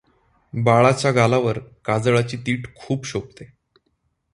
बाळाच्या गालावर काजळाची तीट खूप शोभते.